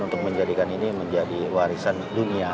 untuk menjadikan ini menjadi warisan dunia